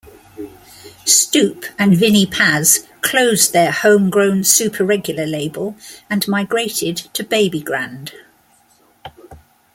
Stoupe and Vinnie Paz closed their homegrown Superegular label and migrated to Babygrande.